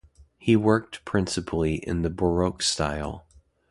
He worked principally in the Baroque style.